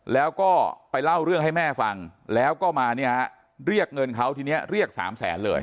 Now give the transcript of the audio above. แล้วก็ไปเล่าเรื่องให้แม่ฟังแล้วก็มาเนี่ยเรียกเงินเขาทีนี้เรียกสามแสนเลย